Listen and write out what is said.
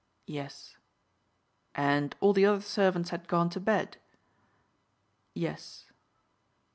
"Yes." "And all the other servants had gone to bed?" "Yes."